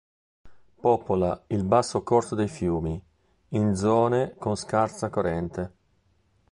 Popola il basso corso dei fiumi, in zone con scarsa corrente.